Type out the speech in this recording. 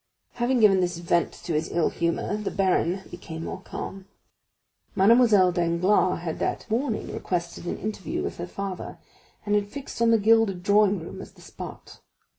Having given this vent to his ill humor, the baron became more calm; Mademoiselle Danglars had that morning requested an interview with her father, and had fixed on the gilded drawing room as the spot.